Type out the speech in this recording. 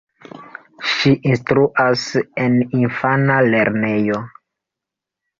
Ŝi instruas en infana lernejo.